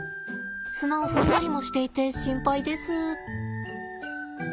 砂を踏んだりもしていて心配です。